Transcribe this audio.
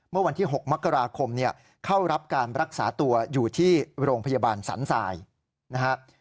เมื่อวันที่๖มกราคมเข้ารับการรักษาตัวอยู่ที่โรงพยาบาลสรรสายนะครับ